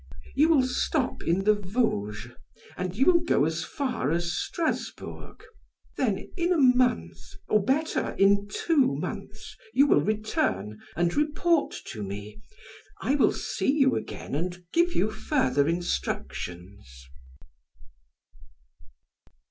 You will stop in the Vosges and you will go as far as Strasburg. Then in a month, or better, in two months you will return and report to me; I will see you again and give you further instructions."